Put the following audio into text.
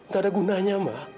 gak ada gunanya ma